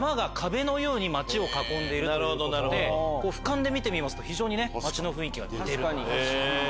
俯瞰で見てみますと非常に町の雰囲気が似てる。